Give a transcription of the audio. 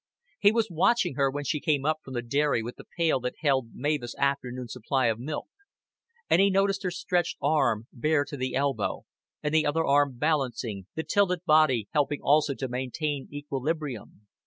He was watching her when she came up from the dairy with the pail that held Mavis' afternoon supply of milk, and he noticed her stretched arm, bare to the elbow, and the other arm balancing, the tilted body helping also to maintain equilibrium.